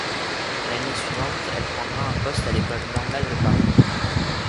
L'année suivante, elle prendra un poste à l'école normale de Paris.